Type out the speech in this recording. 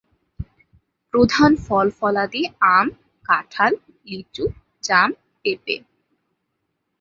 প্রধান ফল-ফলাদি আম, কাঁঠাল, লিচু, জাম, পেঁপে।